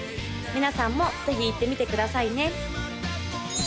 皆さんもぜひ行ってみてくださいね